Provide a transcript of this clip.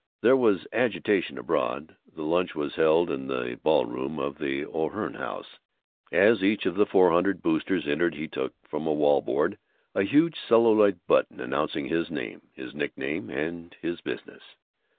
There was agitation abroad. The lunch was held in the ballroom of the O'Hearn House. As each of the four hundred Boosters entered he took from a wallboard a huge celluloid button announcing his name, his nickname, and his business.